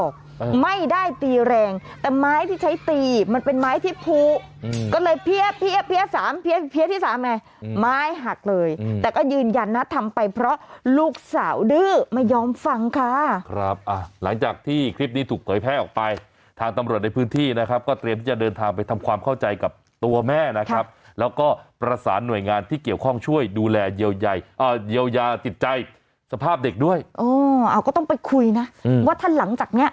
ขี่รถจักรยานยนต์กลับมานะทีนี้มาไม่ได้มาคนเดียวคุณค่ะ